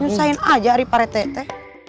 nyusahin aja ari parete